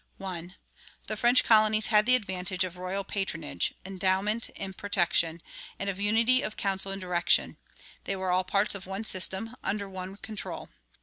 1. The French colonies had the advantage of royal patronage, endowment,[24:2] and protection, and of unity of counsel and direction. They were all parts of one system, under one control.